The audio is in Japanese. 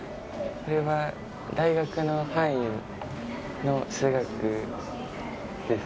これは大学の範囲の数学です。